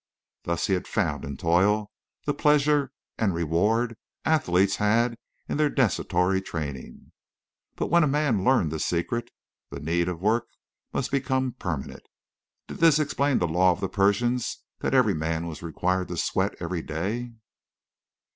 Thus he had found in toil the pleasure and reward athletes had in their desultory training. But when a man learned this secret the need of work must become permanent. Did this explain the law of the Persians that every man was required to sweat every day?